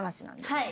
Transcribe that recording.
はい。